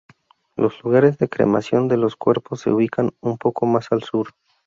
Los lugares de cremación de los cuerpos se ubican un poco más al sur.